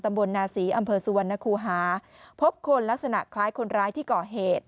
บนนาศรีอำเภอสุวรรณคูหาพบคนลักษณะคล้ายคนร้ายที่ก่อเหตุ